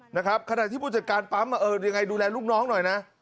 ขนาดที่ผู้จัดการปั๊มอย่างไรดูแลลูกน้องหน่อยนะ